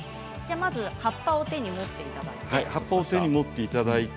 まず葉っぱを手に持っていただいて。